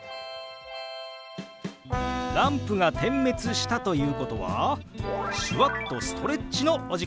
ランプが点滅したということは手話っとストレッチのお時間です！